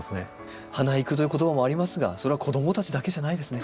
花育という言葉もありますがそれは子供たちだけじゃないですね。